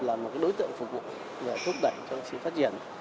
là một đối tượng phục vụ thúc đẩy cho sự phát triển